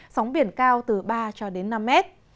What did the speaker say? sóng biển cao từ ba cho đến năm mét